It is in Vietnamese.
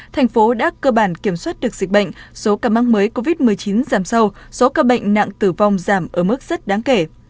thành phố đã cơ bản kiểm soát được dịch bệnh số ca mắc mới covid một mươi chín giảm sâu số ca bệnh nặng tử vong giảm ở mức rất đáng kể